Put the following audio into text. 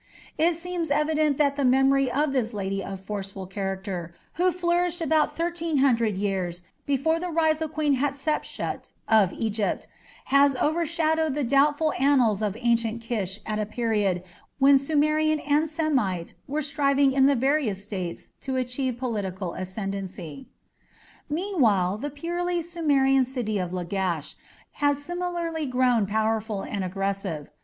It seems evident that the memory of this lady of forceful character, who flourished about thirteen hundred years before the rise of Queen Hatshepsut of Egypt, has overshadowed the doubtful annals of ancient Kish at a period when Sumerian and Semite were striving in the various states to achieve political ascendancy. Meanwhile the purely Sumerian city of Lagash had similarly grown powerful and aggressive.